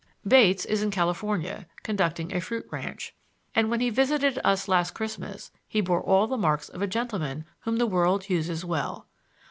Bates is in California conducting a fruit ranch, and when he visited us last Christmas he bore all the marks of a gentleman whom the world uses well.